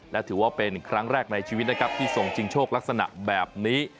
และถือว่าเป็นครั้งแรกในชีวิตนะครับที่ส่งชิงโชคลักษณะแบบนี้